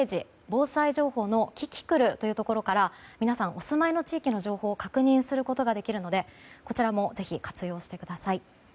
防災情報のキキクルというところから皆さんお住まいの地域の情報を確認することができるのでこちらもぜひ活用してください。